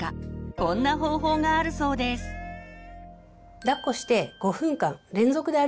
こんな方法があるそうです。